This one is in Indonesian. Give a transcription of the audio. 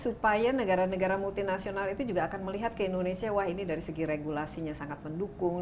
supaya negara negara multinasional itu juga akan melihat ke indonesia wah ini dari segi regulasinya sangat mendukung